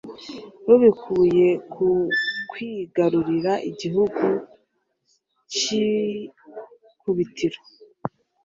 rubikuye ku kwigarurira igihugu cy'ikubitiro